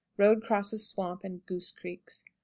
Road crosses Swamp and Goose Creeks.